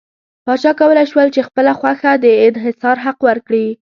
پاچا کولای شول په خپله خوښه د انحصار حق ورکړي.